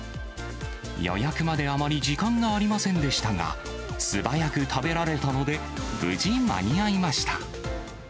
予約まであまり時間がありませんでしたが、素早く食べられたので、無事間に合いました。